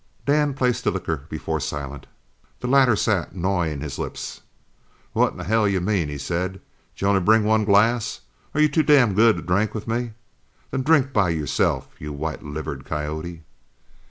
Dan placed the liquor before Silent. The latter sat gnawing his lips. "What in hell do you mean?" he said. "Did you only bring one glass? Are you too damn good to drink with me? Then drink by yourself, you white livered coyote!"